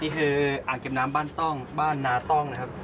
นี่คืออ่างเก็บน้ำบ้านต้องบ้านนาต้องนะครับ